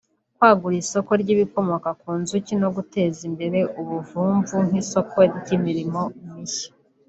kwagura isoko ry’ibikomoka ku nzuki no guteza imbere ubuvumvu nk’isoko y’imirimo mishya